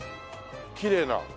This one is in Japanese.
きれいな。